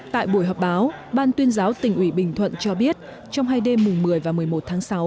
tại buổi họp báo ban tuyên giáo tỉnh ủy bình thuận cho biết trong hai đêm mùng một mươi và một mươi một tháng sáu